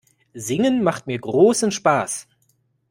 Singen macht mir großen Spaß.